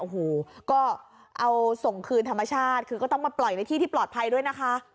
โอ้โหก็เอาส่งคืนธรรมชาติคือก็ต้องมาปล่อยในที่ที่ปลอดภัยด้วยนะคะ